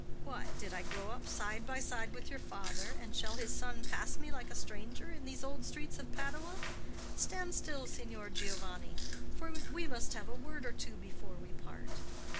"What! did I grow up side by side with your father? and shall his son pass me like a stranger in these old streets of Padua? Stand still, Signor Giovanni; for we must have a word or two before we part."